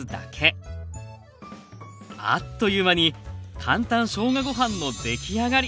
あっという間に簡単しょうがご飯の出来上がり！